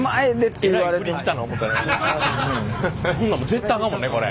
そんなん絶対あかんもんねこれ。